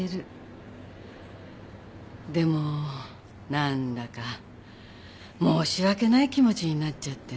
でも何だか申し訳ない気持ちになっちゃって。